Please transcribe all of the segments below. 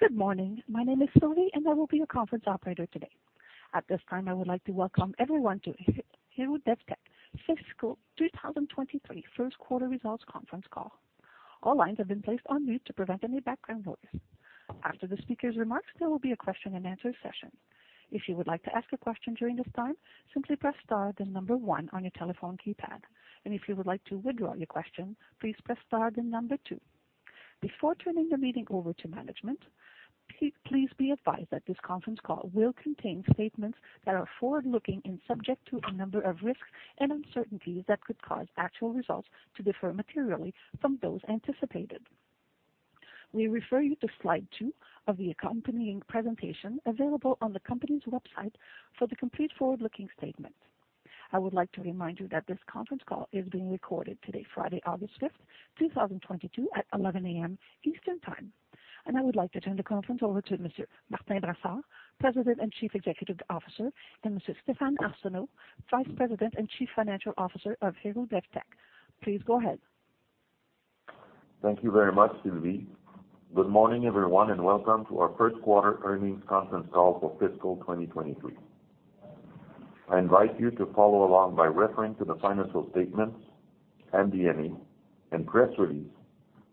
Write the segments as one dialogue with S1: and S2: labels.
S1: Good morning. My name is Sylvie, and I will be your conference operator today. At this time, I would like to welcome everyone to Héroux-Devtek Fiscal 2023 First Quarter Results Conference Call. All lines have been placed on mute to prevent any background noise. After the speaker's remarks, there will be a question-and-answer session. If you would like to ask a question during this time, simply press star then number one on your telephone keypad. If you would like to withdraw your question, please press star then number two. Before turning the meeting over to management, please be advised that this conference call will contain statements that are forward-looking and subject to a number of risks and uncertainties that could cause actual results to differ materially from those anticipated. We refer you to slide 2 of the accompanying presentation available on the company's website for the complete forward-looking statement. I would like to remind you that this conference call is being recorded today, Friday, August 5th, 2022 at 11:00 A.M. Eastern Time. I would like to turn the conference over to Monsieur Martin Brassard, President and Chief Executive Officer, and Monsieur Stéphane Arsenault, Vice President and Chief Financial Officer of Héroux-Devtek. Please go ahead.
S2: Thank you very much, Sylvie. Good morning, everyone, and welcome to our First Quarter Earnings Conference Call for Fiscal 2023. I invite you to follow along by referring to the financial statements and the MD&A and press release,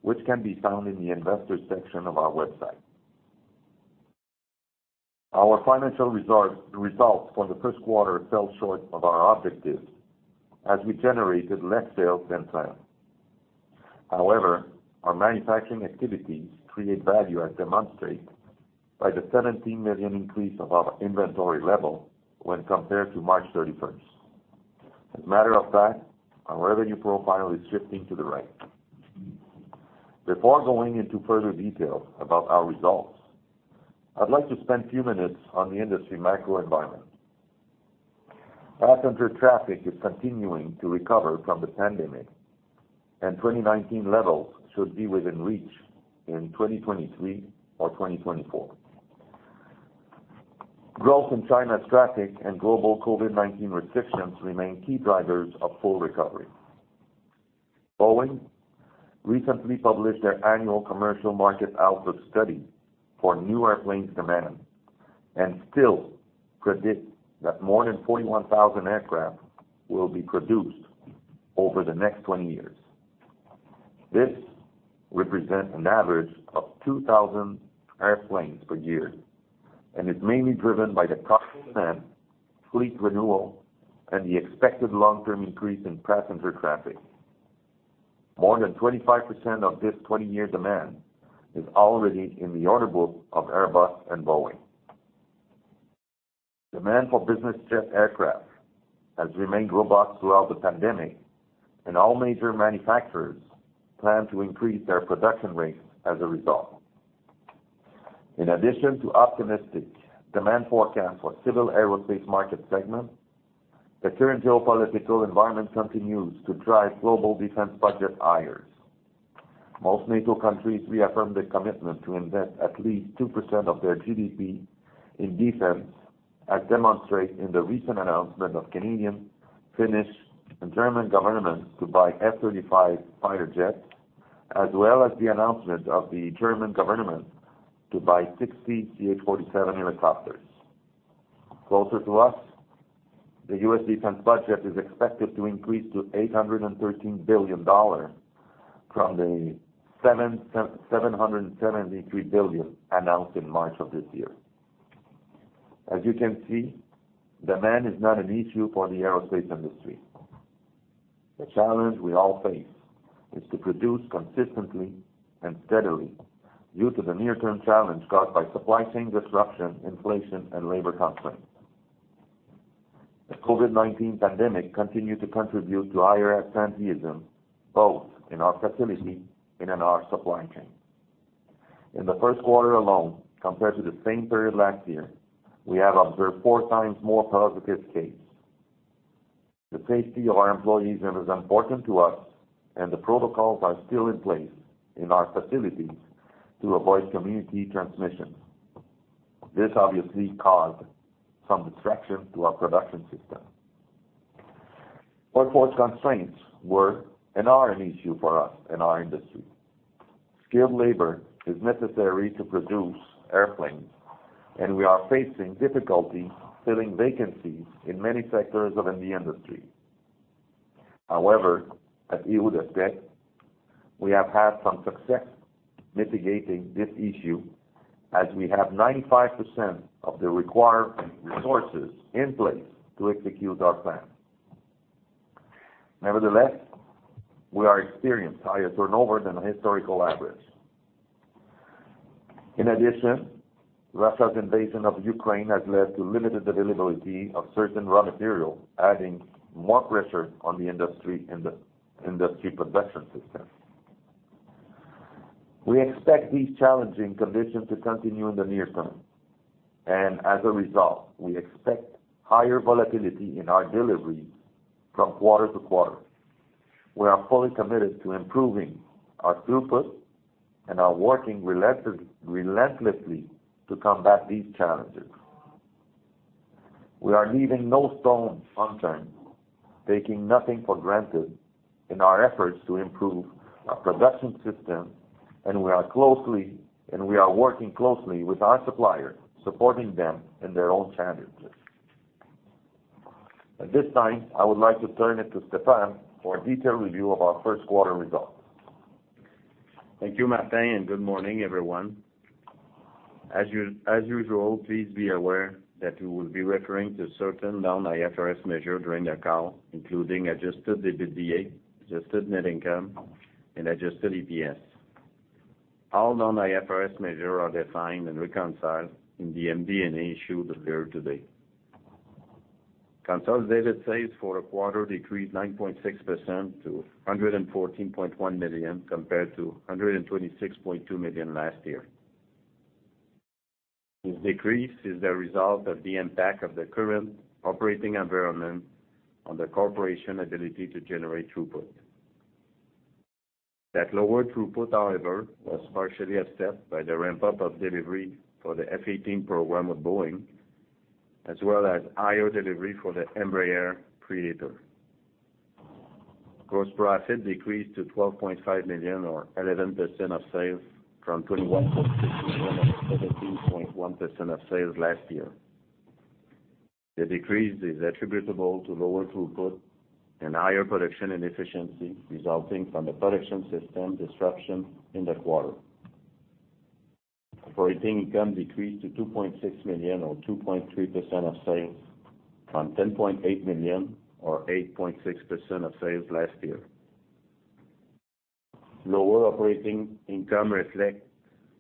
S2: which can be found in the investors section of our website. Our financial results for the first quarter fell short of our objectives as we generated less sales than planned. However, our manufacturing activities create value as demonstrated by the 17 million increase of our inventory level when compared to March 31st. As a matter of fact, our revenue profile is shifting to the right. Before going into further detail about our results, I'd like to spend a few minutes on the industry macro environment. Passenger traffic is continuing to recover from the pandemic, and 2019 levels should be within reach in 2023 or 2024. Growth in China's traffic and global COVID-19 restrictions remain key drivers of full recovery. Boeing recently published their annual commercial market outlook study for new airplanes demand and still predict that more than 41,000 aircraft will be produced over the next 20 years. This represents an average of 2,000 airplanes per year and is mainly driven by the cost demand, fleet renewal, and the expected long-term increase in passenger traffic. More than 25% of this 20-year demand is already in the order book of Airbus and Boeing. Demand for business jet aircraft has remained robust throughout the pandemic, and all major manufacturers plan to increase their production rates as a result. In addition to optimistic demand forecast for civil aerospace market segment, the current geopolitical environment continues to drive global defense budget higher. Most NATO countries reaffirm their commitment to invest at least 2% of their GDP in defense, as demonstrated in the recent announcement of Canadian, Finnish, and German governments to buy F-35 fighter jets, as well as the announcement of the German government to buy 60 CH-47 helicopters. Closer to us, the US defense budget is expected to increase to $813 billion from the $773 billion announced in March of this year. As you can see, demand is not an issue for the aerospace industry. The challenge we all face is to produce consistently and steadily due to the near-term challenge caused by supply chain disruption, inflation, and labor constraints. The COVID-19 pandemic continued to contribute to higher absenteeism, both in our facility and in our supply chain. In the first quarter alone, compared to the same period last year, we have observed 4 times more positive cases. The safety of our employees is important to us, and the protocols are still in place in our facilities to avoid community transmission. This obviously caused some distraction to our production system. Workforce constraints were and are an issue for us and our industry. Skilled labor is necessary to produce airplanes, and we are facing difficulty filling vacancies in many sectors of the industry. However, at Héroux-Devtek, we have had some success mitigating this issue as we have 95% of the required resources in place to execute our plan. Nevertheless, we are experiencing higher turnover than a historical average. In addition, Russia's invasion of Ukraine has led to limited availability of certain raw materials, adding more pressure on the industry and the industry production system. We expect these challenging conditions to continue in the near term, and as a result, we expect higher volatility in our delivery from quarter to quarter. We are fully committed to improving our throughput and are working relentlessly to combat these challenges. We are leaving no stone unturned, taking nothing for granted in our efforts to improve our production system, and we are working closely with our suppliers, supporting them in their own challenges. At this time, I would like to turn it to Stéphane for a detailed review of our first quarter results.
S3: Thank you, Martin, and good morning, everyone. As usual, please be aware that we will be referring to certain non-IFRS measures during the call, including adjusted EBITDA, adjusted net income and adjusted EPS. All non-IFRS measures are defined and reconciled in the MD&A issued earlier today. Consolidated sales for a quarter decreased 9.6% to 114.1 million compared to 126.2 million last year. This decrease is the result of the impact of the current operating environment on the corporation's ability to generate throughput. That lower throughput, however, was partially offset by the ramp-up of delivery for the F-18 program with Boeing, as well as higher delivery for the Embraer Praetor. Gross profit decreased to 12.5 million or 11% of sales from 21.6 million or 17.1% of sales last year. The decrease is attributable to lower throughput and higher production inefficiency resulting from the production system disruption in the quarter. Operating income decreased to 2.6 million or 2.3% of sales from 10.8 million or 8.6% of sales last year. Lower operating income reflect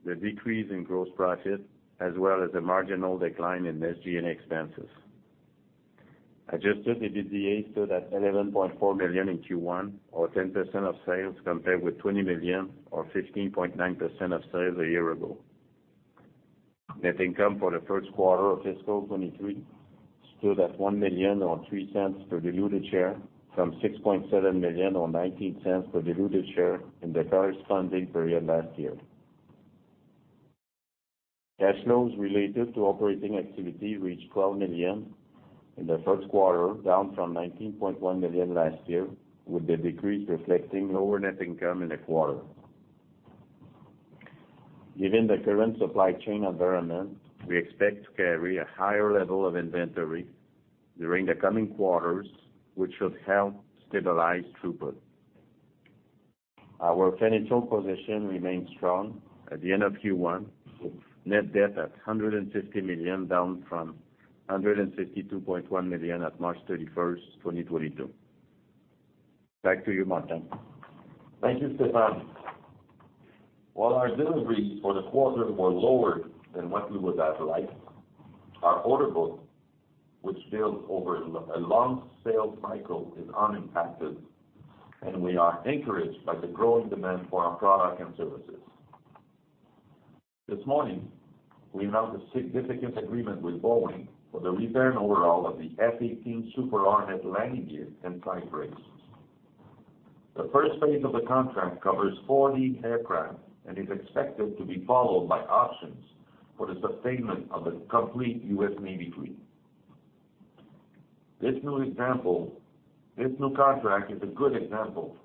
S3: the decrease in gross profit as well as the marginal decline in SG&A expenses. Adjusted EBITDA stood at 11.4 million in Q1 or 10% of sales, compared with 20 million or 15.9% of sales a year ago. Net income for the first quarter of fiscal 2023 stood at 1 million or 3 cents per diluted share from 6.7 million or 19 cents per diluted share in the corresponding period last year. Cash flows related to operating activity reached 12 million in the first quarter, down from 19.1 million last year, with the decrease reflecting lower net income in the quarter. Given the current supply chain environment, we expect to carry a higher level of inventory during the coming quarters, which should help stabilize throughput. Our financial position remains strong at the end of Q1, with net debt at 150 million, down from 152.1 million at March 31, 2022. Back to you, Martin.
S2: Thank you, Stéphane. While our deliveries for the quarter were lower than what we would have liked, our order book, which builds over a long sales cycle, is unimpacted and we are encouraged by the growing demand for our product and services. This morning, we announced a significant agreement with Boeing for the repair and overhaul of the F-18 Super Hornet landing gear and tires and brakes. The first phase of the contract covers 40 aircraft and is expected to be followed by options for the sustainment of the complete US Navy fleet. This new contract is a good example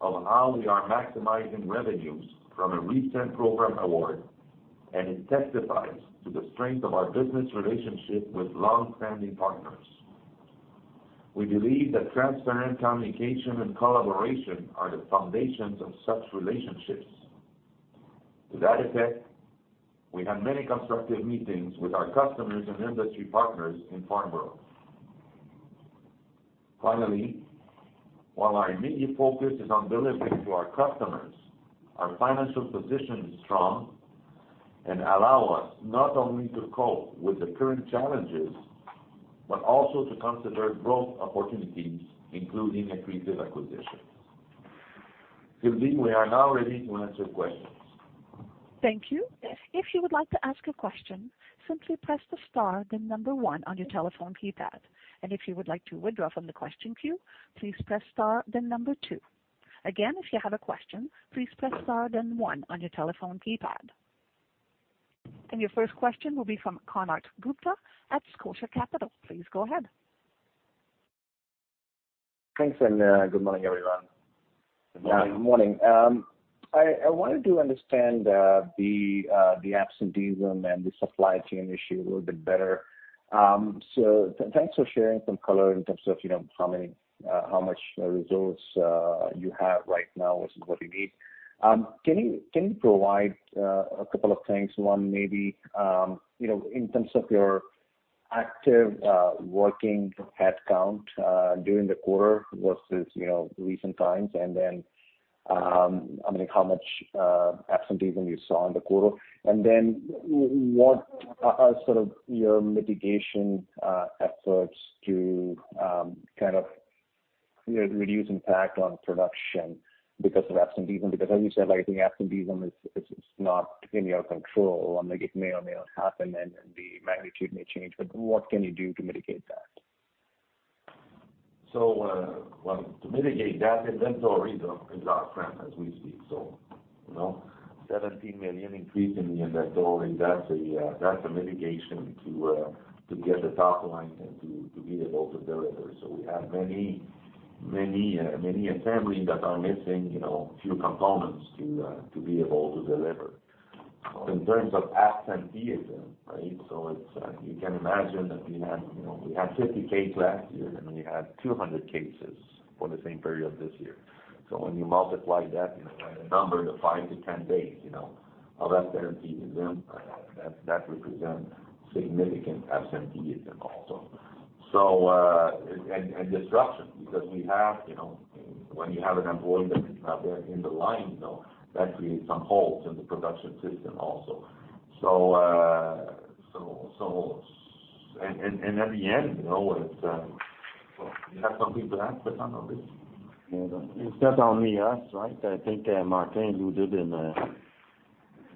S2: of how we are maximizing revenues from a recent program award, and it testifies to the strength of our business relationship with long-standing partners. We believe that transparent communication and collaboration are the foundations of such relationships. To that effect, we had many constructive meetings with our customers and industry partners in Farnborough. Finally, while our immediate focus is on delivering to our customers, our financial position is strong and allow us not only to cope with the current challenges, but also to consider growth opportunities, including accretive acquisitions. Sylvie, we are now ready to answer questions.
S1: Thank you. If you would like to ask a question, simply press the star then number one on your telephone keypad. If you would like to withdraw from the question queue, please press star then number two. Again, if you have a question, please press star then one on your telephone keypad. Your first question will be from Konark Gupta at Scotia Capital. Please go ahead.
S4: Thanks and good morning, everyone.
S2: Good morning.
S4: Good morning. I wanted to understand the absenteeism and the supply chain issue a little bit better. Thanks for sharing some color in terms of, you know, how much resource you have right now versus what you need. Can you provide a couple of things? One, maybe, you know, in terms of your active working headcount during the quarter versus, you know, recent times and then, I mean, how much absenteeism you saw in the quarter? What are sort of your mitigation efforts to kind of reduce impact on production because of absenteeism? Because as you said, like, I think absenteeism is not in your control and like it may or may not happen and the magnitude may change, but what can you do to mitigate that?
S2: To mitigate that, inventory is our friend as we speak. You know, 17 million increase in the inventory, that's a mitigation to get the top line and to be able to deliver. We have many assemblies that are missing, you know, a few components to be able to deliver. In terms of absenteeism, you can imagine that we had 50 cases last year, and we had 200 cases for the same period this year. When you multiply that, you know, by the number of 5 to 10 days, you know, of absenteeism, that represents significant absenteeism also. disruption because we have, you know, when you have an employee that is not there in the line, you know, that creates some holes in the production system also. At the end, you know, it's well, you have something to add, Stéphane, or?
S3: Yeah. It's not only us, right? I think Martin alluded in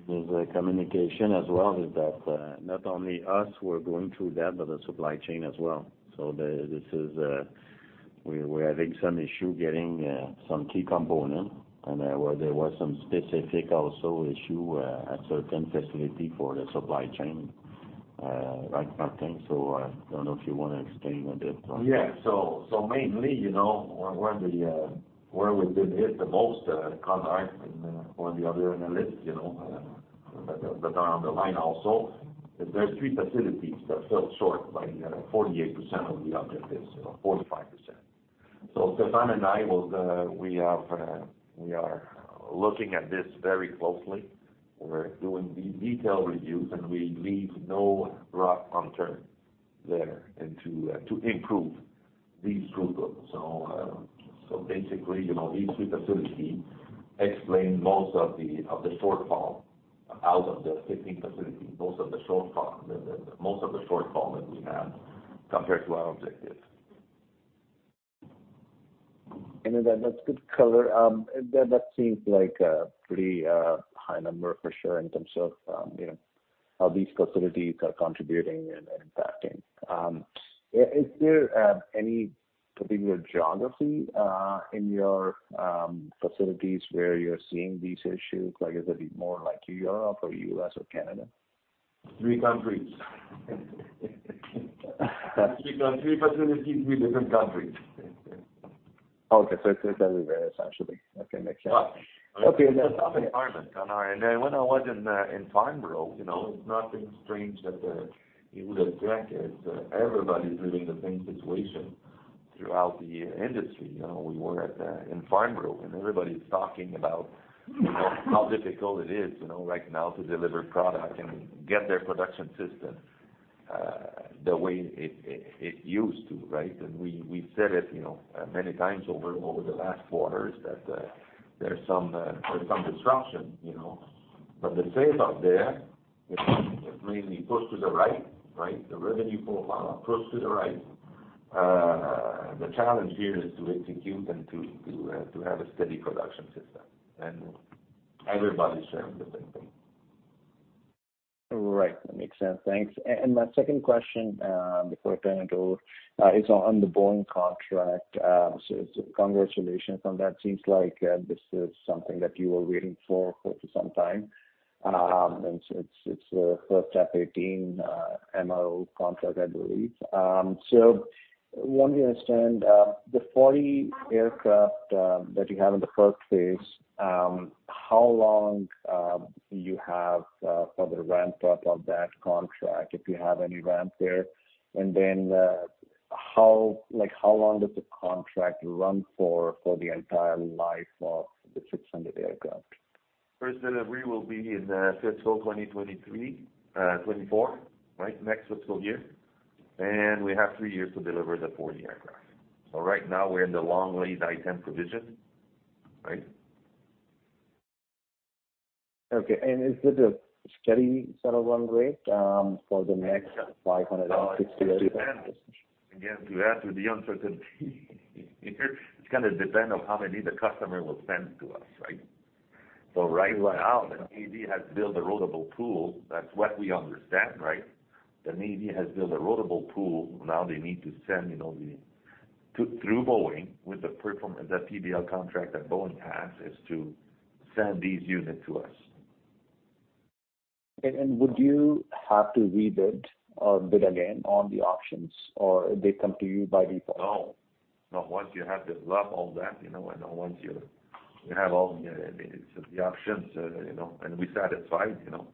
S3: his communication as well is that not only us we're going through that, but the supply chain as well. This is we're having some issue getting some key component and where there was some specific also issue at certain facility for the supply chain. Right, Martin? I don't know if you wanna explain a bit on-
S2: Yeah. Mainly, you know, where we've been hit the most, Konark and all the other analysts, you know, that are on the line also, is there are three facilities that fell short by 48% of the objectives, you know, 45%. Stéphane and I are looking at this very closely. We're doing detailed reviews, and we leave no rock unturned there to improve these throughput. Basically, you know, these three facilities explain most of the shortfall out of the 15 facilities, most of the shortfall that we have compared to our objectives.
S4: That's good color. That seems like a pretty high number for sure in terms of you know how these facilities are contributing and impacting. Is there any particular geography in your facilities where you're seeing these issues? Like, is it more like Europe or U.S. or Canada?
S2: Three countries. Three-country facilities, three different countries.
S4: Okay. It's everywhere essentially. Okay. Makes sense.
S2: Yeah.
S4: Okay.
S2: It's a tough environment, Konark. When I was in Farnborough, you know, nothing strange that you would expect is everybody's living the same situation throughout the industry. You know, we were in Farnborough, and everybody's talking about, you know, how difficult it is, you know, right now to deliver product and get their production system the way it used to, right? We've said it, you know, many times over the last quarters that there's some disruption, you know. The sales out there is mainly pushed to the right. The revenue profile approached to the right. The challenge here is to execute and to have a steady production system, and everybody's saying the same thing.
S4: Right. That makes sense. Thanks. My second question, before I turn it over, is on the Boeing contract. Congratulations on that. Seems like this is something that you were waiting for for some time. It's a first F-18 MRO contract, I believe. Want to understand the 40 aircraft that you have in the first phase, how long you have for the ramp up of that contract, if you have any ramp there? How, like, how long does the contract run for the entire life of the 600 aircraft?
S2: First delivery will be in fiscal 2023, 2024, right? Next fiscal year. We have three years to deliver the 40 aircraft. Right now we're in the long lead item provision, right?
S4: Okay. Is it a steady sort of run rate for the next 500 or six years?
S2: It depends. Again, to add to the uncertainty here, it's gonna depend on how many the customer will send to us, right? Right now the Navy has built a rotable pool. That's what we understand, right? The Navy has built a rotable pool. Now they need to send, you know, through Boeing with the PBL contract that Boeing has, is to send these units to us.
S4: Would you have to rebid or bid again on the options, or they come to you by default?
S2: No. Once you have developed all that, you know, and once you have all the options, you know, and we satisfy, you know,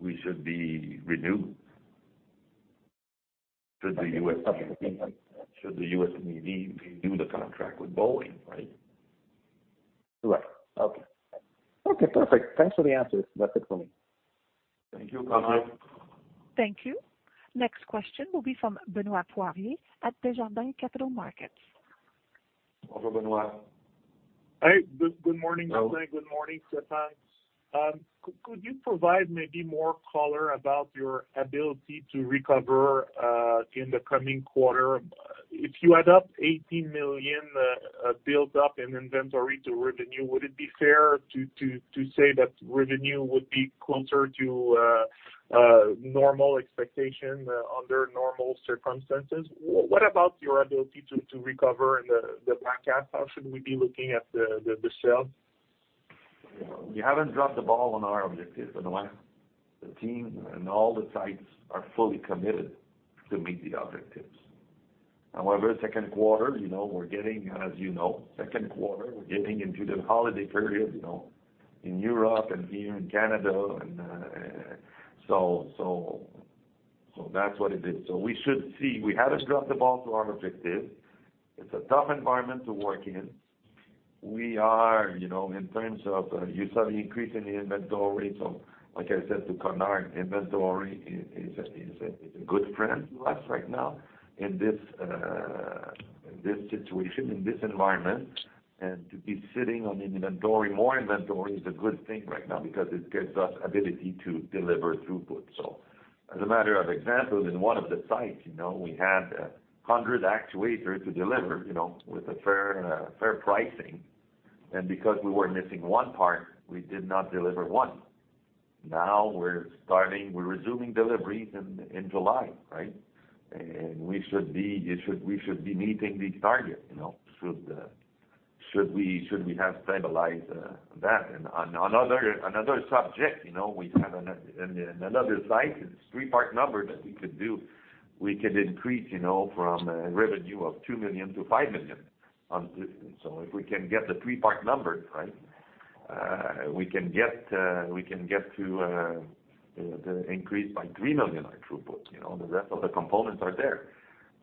S2: we should be renewed should the US.
S4: Okay.
S2: Should the U.S. Navy renew the contract with Boeing, right?
S4: Right. Okay, perfect. Thanks for the answers. That's it for me.
S2: Thank you, Konark Gupta.
S1: Thank you. Next question will be from Benoit Poirier at Desjardins Capital Markets.
S2: Hello, Benoit.
S5: Hi. Good morning, Martin. Good morning, Stéphane. Could you provide maybe more color about your ability to recover in the coming quarter? If you add up 18 million buildup in inventory to revenue, would it be fair to say that revenue would be closer to normal expectation under normal circumstances? What about your ability to recover in the back half? How should we be looking at the sales?
S2: We haven't dropped the ball on our objective, Benoit. The team and all the sites are fully committed to meet the objectives. However, second quarter, you know, we're getting into the holiday period, you know, in Europe and here in Canada, so that's what it is. We should see. We haven't dropped the ball to our objective. It's a tough environment to work in. We are, you know, in terms of you saw the increase in the inventory. So like I said to Konark, inventory is a good friend to us right now in this situation, in this environment. And to be sitting on the inventory, more inventory is a good thing right now because it gives us ability to deliver throughput. As a matter of example, in one of the sites, you know, we had 100 actuators to deliver, you know, with fair pricing. Because we were missing one part, we did not deliver one. Now we're resuming deliveries in July, right? We should be meeting the target, you know, should we have stabilized that. Another subject, you know, we have in another site, it's three part numbers that we could do. We could increase, you know, from a revenue of 2 million to 5 million. If we can get the three part numbers right, we can get to the increase by 3 million dollar on throughput. You know, the rest of the components are there.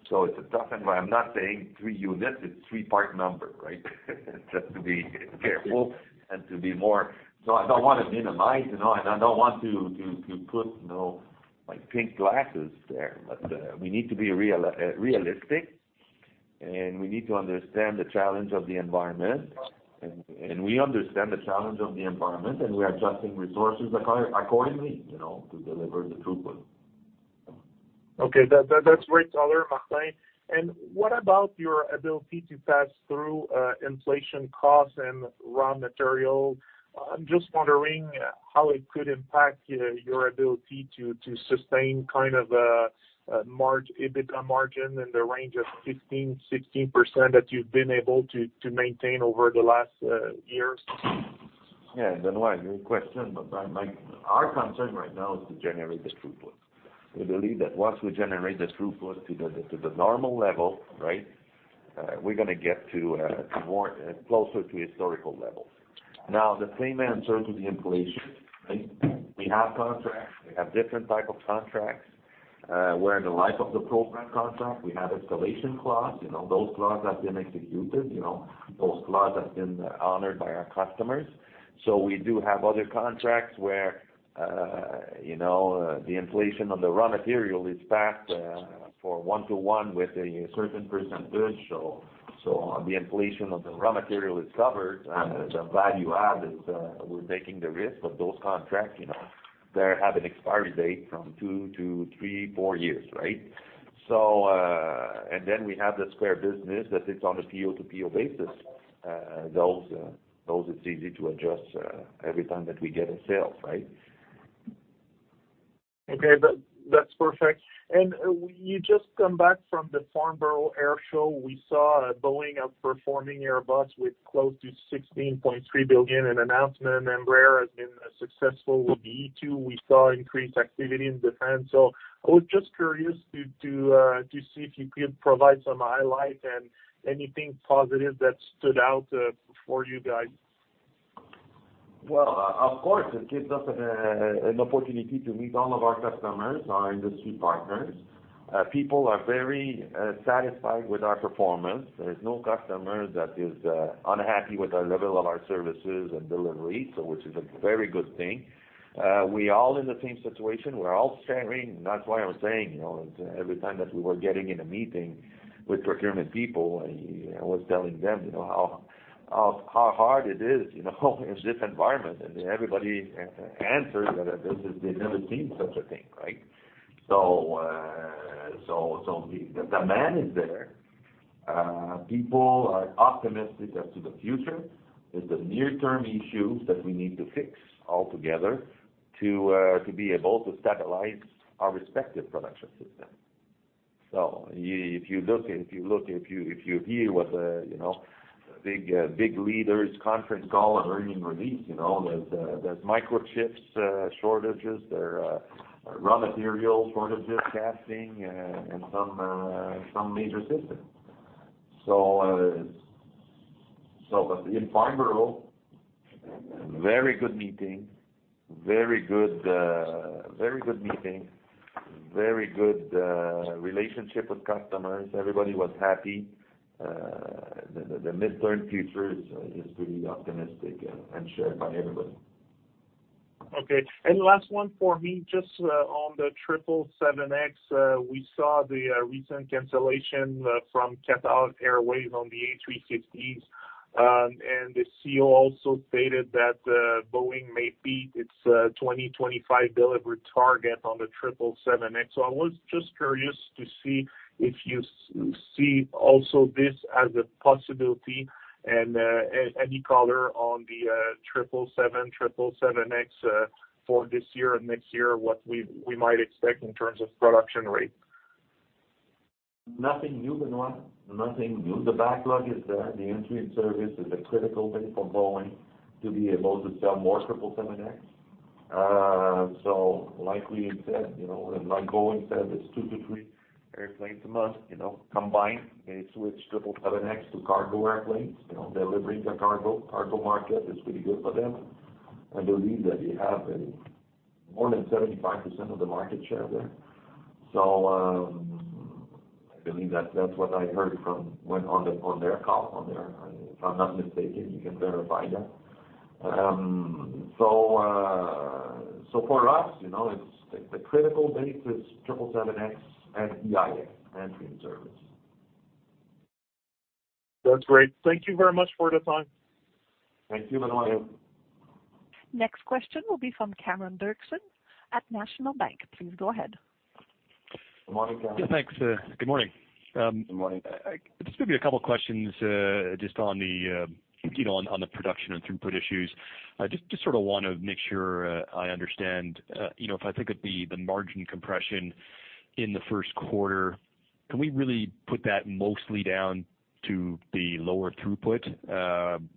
S2: It's a tough environment. I'm not saying three units. It's three part number, right? Just to be careful and to be more. I don't want to minimize, you know, and I don't want to put, you know, like pink glasses there. We need to be realistic, and we need to understand the challenge of the environment. We understand the challenge of the environment, and we are adjusting resources accordingly, you know, to deliver the throughput.
S5: That's great color, Martin. What about your ability to pass through inflation costs and raw material? I'm just wondering how it could impact your ability to sustain kind of a EBITDA margin in the range of 15%-16% that you've been able to maintain over the last years.
S2: Yeah. Benoit, good question. Our concern right now is to generate the throughput. We believe that once we generate the throughput to the normal level, right, we're gonna get to more closer to historical levels. Now the same answer to the inflation, right? We have contracts. We have different type of contracts, where the life of the program contract, we have escalation clause. You know, those clause have been executed. You know, those clause have been honored by our customers. So we do have other contracts where, you know, the inflation on the raw material is passed for one-to-one with a certain percentage. So the inflation of the raw material is covered. The value add is, we're taking the risk of those contracts. You know, they have an expiry date from 2 to 3, 4 years, right? Then we have the spare business that sits on a PO-to-PO basis. Those, it's easy to adjust every time that we get a sale, right?
S5: Okay. That's perfect. You just came back from the Farnborough Airshow. We saw Boeing outperforming Airbus with close to $16.3 billion in announcements. Embraer has been successful with the E2. We saw increased activity in defense. I was just curious to see if you could provide some highlights and anything positive that stood out for you guys.
S2: Well, of course, it gives us an opportunity to meet all of our customers, our industry partners. People are very satisfied with our performance. There is no customer that is unhappy with the level of our services and delivery, so which is a very good thing. We're all in the same situation. We're all sharing. That's why I was saying, you know, every time that we were getting in a meeting with procurement people, I was telling them, you know, how hard it is, you know, in this environment. Everybody answers that this is. They've never seen such a thing, right? The demand is there. People are optimistic as to the future. It's the near-term issues that we need to fix altogether to be able to stabilize our respective production system. If you hear what the big leaders conference call and earnings release, you know, there's microchip shortages. There are raw material shortages, castings in some major systems. But in Farnborough, very good meeting. Very good relationship with customers. Everybody was happy. The mid-term future is pretty optimistic and shared by everybody.
S5: Okay. Last one for me. Just on the 777X, we saw the recent cancellation from Qatar Airways on the A350s. The CEO also stated that Boeing may beat its 2025 delivery target on the 777X. I was just curious to see if you see also this as a possibility and any color on the 777X for this year and next year, what we might expect in terms of production rate.
S2: Nothing new, Benoit. Nothing new. The backlog is there. The entry into service is a critical thing for Boeing to be able to sell more 777X. Like we had said, you know, and like Boeing said, it's 2-3 airplanes a month, you know, combined. They switch 777X to cargo airplanes, you know, delivering to the cargo market is pretty good for them. I believe that they have more than 75% of the market share there. I believe that's what I heard from their call, if I'm not mistaken, you can verify that. For us, you know, it's the critical base is 777X and EIS, entry into service.
S5: That's great. Thank you very much for the time.
S2: Thank you, Benoit.
S1: Next question will be from Cameron Doerksen at National Bank. Please go ahead.
S2: Good morning, Cameron.
S6: Yeah, thanks. Good morning.
S2: Good morning.
S6: Just maybe a couple of questions, just on the, you know, on the production and throughput issues. I just sort of want to make sure I understand. You know, if I think of the margin compression in the first quarter, can we really put that mostly down to the lower throughput?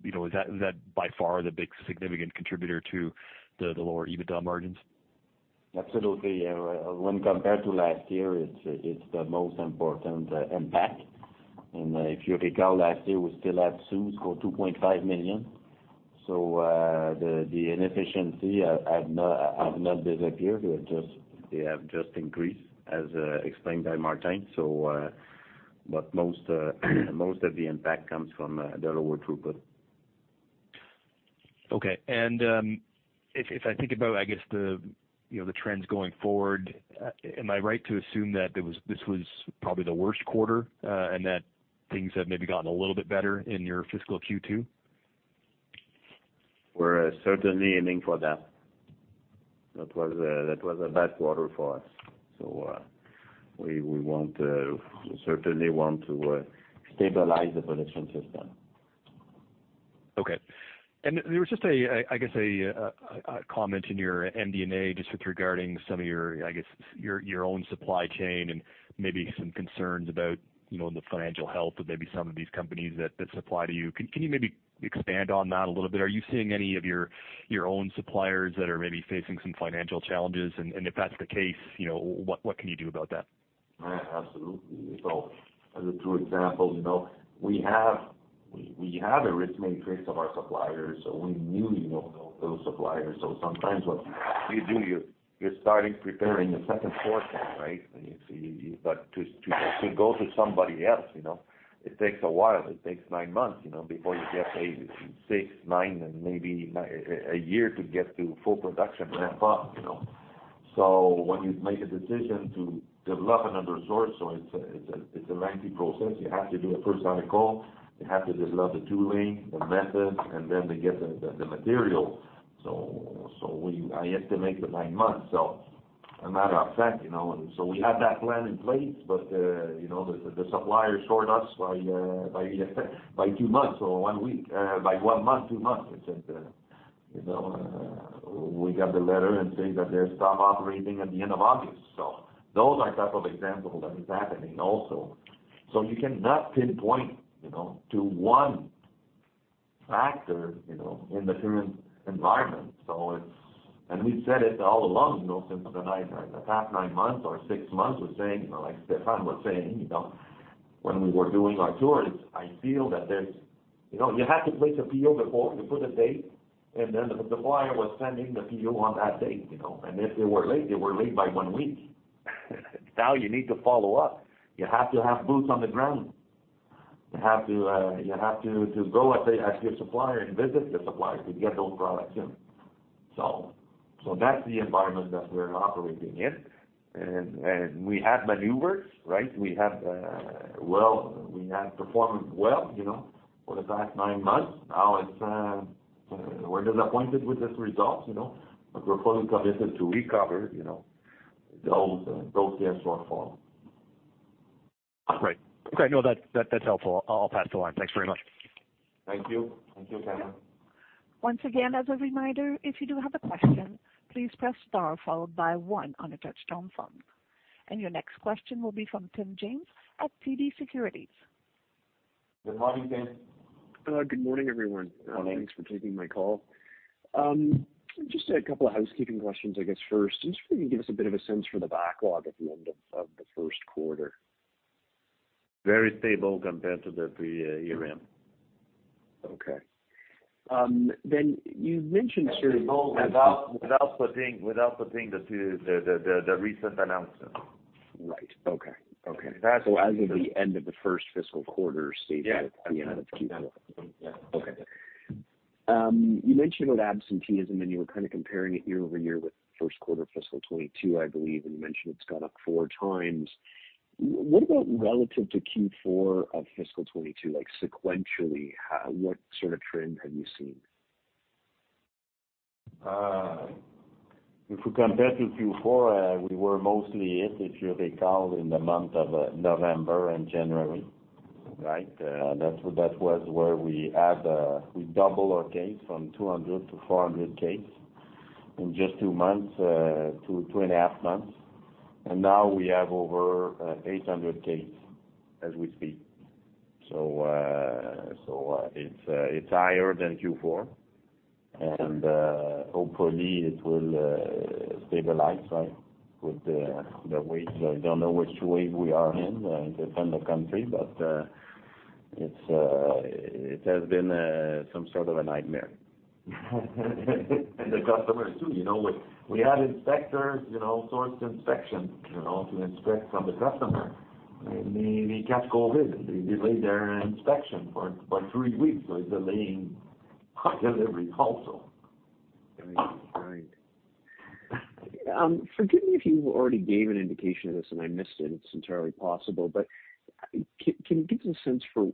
S6: You know, is that by far the big significant contributor to the lower EBITDA margins?
S2: Absolutely. When compared to last year, it's the most important impact. If you recall, last year, we still had CEWS for 2.5 million. The inefficiencies have not disappeared. They have just increased as explained by Martin. But most of the impact comes from the lower throughput.
S6: Okay. If I think about, I guess, the trends going forward, am I right to assume that this was probably the worst quarter, and that things have maybe gotten a little bit better in your fiscal Q2?
S2: We're certainly aiming for that. That was a bad quarter for us. We certainly want to stabilize the production system.
S6: Okay. There was just, I guess, a comment in your MD&A just regarding some of your, I guess, your own supply chain and maybe some concerns about, you know, the financial health of maybe some of these companies that supply to you. Can you maybe expand on that a little bit? Are you seeing any of your own suppliers that are maybe facing some financial challenges? If that's the case, you know, what can you do about that?
S2: Absolutely. As a true example, you know, we have a risk matrix of our suppliers, so we knew those suppliers. Sometimes what you do, you're starting preparing a second source, right? You see. To go to somebody else, you know, it takes a while. It takes nine months, you know, before you get six to nine, and maybe a year to get to full production ramp up, you know. When you make a decision to develop another source, it's a lengthy process. You have to do a first article. You have to develop the tooling, the method, and then they get the material. I estimate the nine months. A matter of fact, you know, and so we had that plan in place. You know, the supplier shorts us by two months or one week, by one month, two months. It's, you know, we got the letter saying that they stop operating at the end of August. Those are types of examples that are happening also. You cannot pinpoint, you know, to one factor, you know, in the current environment. We've said it all along, you know, since the past nine months or six months. We're saying, you know, like Stéphane was saying, you know, when we were doing our tours. I feel that there's you know, you have to place a PO before you put a date, and then the buyer was sending the PO on that date, you know. If they were late, they were late by one week. Now you need to follow up. You have to have boots on the ground. You have to go to your supplier and visit the supplier to get those products in. That's the environment that we're operating in. We have measures, right? Well, we have performed well, you know, for the past nine months. Now it's we're disappointed with this result, you know, but we're fully committed to recover, you know, those years lost for.
S6: Right. Okay. No, that's helpful. I'll pass the line. Thanks very much.
S2: Thank you. Thank you, Cameron.
S1: Once again, as a reminder, if you do have a question, please press star followed by one on a touchtone phone. Your next question will be from Tim James at TD Securities.
S2: Good morning, Tim.
S7: Good morning, everyone.
S2: Good morning.
S7: Thanks for taking my call. Just a couple of housekeeping questions, I guess, first. Just for you to give us a bit of a sense for the backlog at the end of the first quarter.
S2: Very stable compared to the previous year end.
S7: Okay. You've mentioned-
S2: Stable without putting the recent announcement.
S7: Right. Okay.
S2: That's-
S7: As of the end of the first fiscal quarter.
S2: Yeah.
S7: At the end of Q1.
S2: Yeah.
S7: Okay. You mentioned about absenteeism, and you were kind of comparing it year-over-year with first quarter fiscal 2022, I believe, and you mentioned it's gone up four times. What about relative to Q4 of fiscal 2022? Like, sequentially, what sort of trend have you seen?
S2: If we compare to Q4, we were mostly hit, if you recall, in the month of November and January, right? That was where we had, we doubled our cases from 200 to 400 cases.
S3: In just two and a half months, and now we have over 800 cases as we speak. It's higher than Q4. Hopefully it will stabilize, right, with the waves. I don't know which wave we are in. It depends on the country, but it has been some sort of a nightmare. The customers too, you know, we had inspectors, you know, source inspection, you know, to inspect from the customer, and they catch COVID. They delayed their inspection for three weeks, so it's delaying delivery also.
S7: Right. Forgive me if you already gave an indication of this and I missed it. It's entirely possible. Can you give us a sense for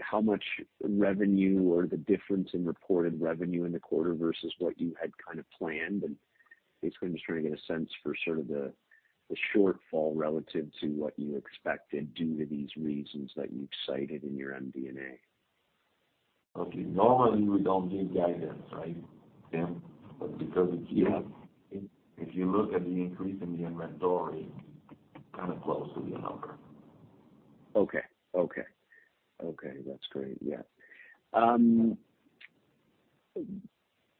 S7: how much revenue or the difference in reported revenue in the quarter versus what you had kind of planned? Basically, I'm just trying to get a sense for sort of the shortfall relative to what you expected due to these reasons that you've cited in your MD&A.
S3: Okay. Normally, we don't give guidance, right?
S7: Yeah.
S3: because it's you, if you look at the increase in the inventory, kind of close to the number.
S7: Okay, that's great.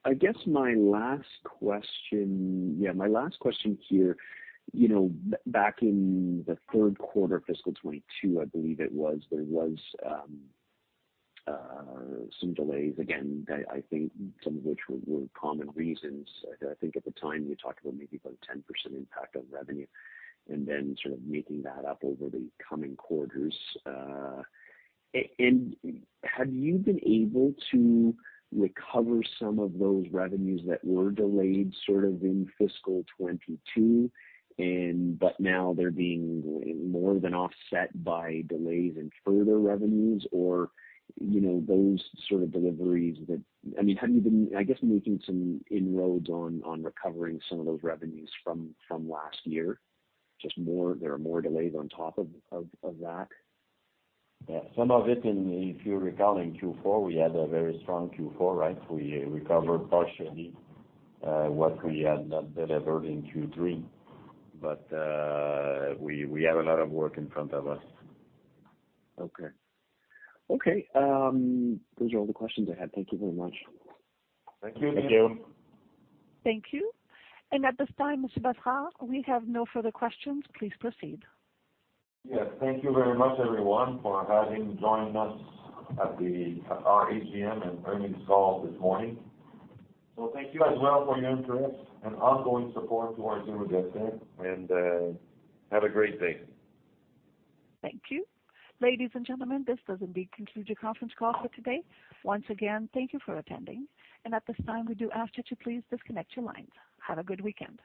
S7: Yeah, my last question here, you know, back in the third quarter of fiscal 2022, I believe it was, there was some delays, again, that I think some of which were common reasons. I think at the time, you talked about maybe about 10% impact on revenue, and then sort of making that up over the coming quarters. And have you been able to recover some of those revenues that were delayed sort of in fiscal 2022 and but now they're being more than offset by delays in further revenues or, you know, those sort of deliveries that I mean, have you been, I guess, making some inroads on recovering some of those revenues from last year? Just more, there are more delays on top of that.
S3: Yeah. Some of it in, if you recall, in Q4, we had a very strong Q4, right? We recovered partially, what we had not delivered in Q3. We have a lot of work in front of us.
S7: Okay, those are all the questions I had. Thank you very much.
S3: Thank you.
S7: Thank you.
S1: Thank you. At this time, Martin Brassard, we have no further questions. Please proceed.
S2: Yes. Thank you very much, everyone, for having joined us at our AGM and earnings call this morning. Thank you as well for your interest and ongoing support to Héroux-Devtek, and have a great day.
S1: Thank you. Ladies and gentlemen, this does indeed conclude your conference call for today. Once again, thank you for attending. At this time, we do ask that you please disconnect your lines. Have a good weekend.